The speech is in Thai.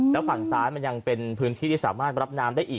แล้วฝั่งซ้ายมันยังเป็นพื้นที่ที่สามารถรับน้ำได้อีก